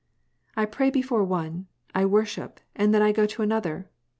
"I pray before one, I worship, and then I go to another.